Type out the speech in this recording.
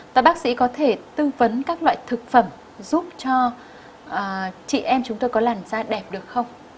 và bác sĩ có thể tư vấn các loại thực phẩm giúp cho chị em chúng tôi có làn da đẹp được không